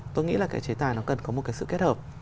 tôi nghĩ là cái chế tài nó cần có một cái sự kết hợp